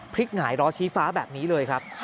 พริกหงายรอชี้ฟ้าแบบนี้เลยครับ